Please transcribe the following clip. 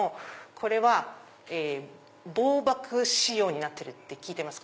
これは防爆仕様になってるって聞いてます。